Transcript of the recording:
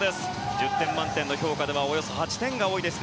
１０点満点の評価ではおよそ８点が多いです。